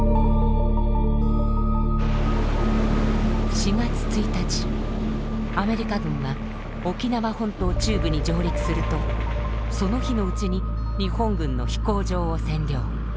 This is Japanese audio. ４月１日アメリカ軍は沖縄本島中部に上陸するとその日のうちに日本軍の飛行場を占領。